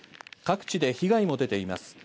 各地で被害も出ています。